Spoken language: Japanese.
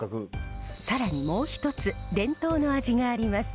更にもう一つ伝統の味があります。